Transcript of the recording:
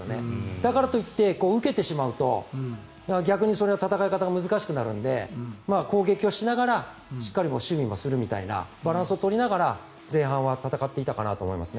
だからといって受けてしまうと逆にそれは戦い方が難しくなるので攻撃をしながらしっかり守備もするみたいなバランスを取りながら前半は戦っていたと思います。